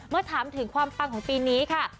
เมื่อถามถึงความปังของปีนี้ค่ะ